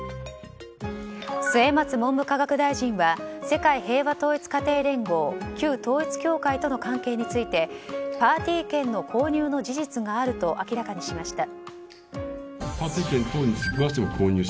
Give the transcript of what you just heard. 末松文部科学大臣は世界平和統一家庭連合旧統一教会との関係についてパーティー券の購入の事実があると明らかにしました。